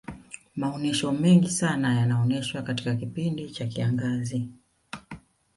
maonyesho mengi sana yanaonyeshwa katika kipindi cha kiangazi